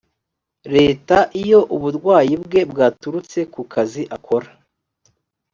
leta iyo uburwayi bwe bwaturutse ku kazi akora